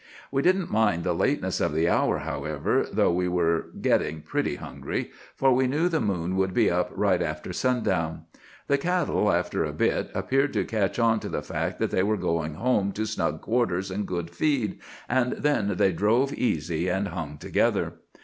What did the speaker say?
We didn't mind the lateness of the hour, however, though we were getting pretty hungry, for we knew the moon would be up right after sundown. The cattle after a bit appeared to catch on to the fact that they were going home to snug quarters and good feed, and then they drove easy and hung together.